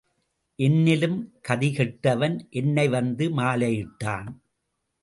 என்னிலும் கதி கெட்டவன் என்னை வந்து மாலையிட்டான்.